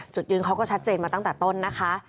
จุดยืนเขาก็ชัดเจนมาตั้งแต่ต้นนะคะ